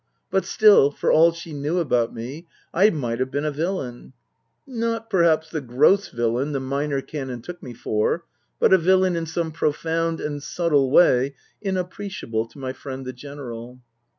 But still, for all she knew about me, I might have been a villain. Not perhaps the gross villain the Minor Canon took me for, but a villain in some profound and subtle way inappreciable to my friend the General.